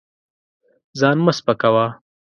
ځان مه سپکوه.